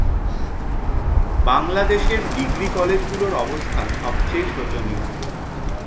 বাংলাদেশের ডিগ্রি কলেজগুলোর অবস্থা সবচেয়ে শোচনীয়।